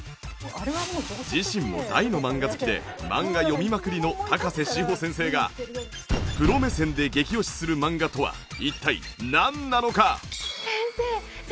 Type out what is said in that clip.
自身も大の漫画好きで漫画読みまくりの高瀬志帆先生がプロ目線で激推しする漫画とは一体なんなのか？